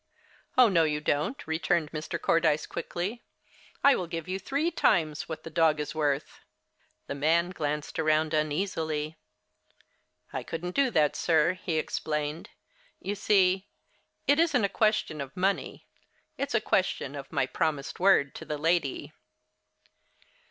"Oh, no, you don't," returned Mr. Cordyce quickly. "I will give you three times what the dog is worth." The man glanced around uneasily. "I couldn't do that, sir," he explained. "You see, it isn't a question of money; it's a question of my promised word to the lady."